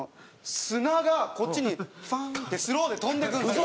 砂がこっちにふわっってスローで飛んでくるんですよ。